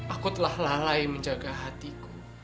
aku telah lalai menjaga hatiku